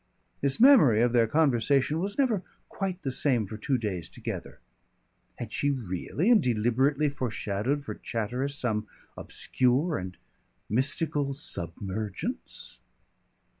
His memory of their conversation was never quite the same for two days together. Had she really and deliberately foreshadowed for Chatteris some obscure and mystical submergence?